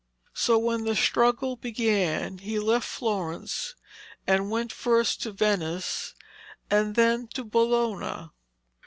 So when the struggle began he left Florence and went first to Venice and then to Bologna.